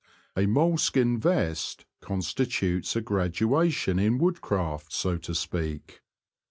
A moleskin vest constitutes a gradua tion in woodcraft so to speak.